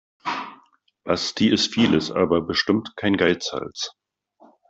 Basti ist vieles, aber bestimmt kein Geizhals.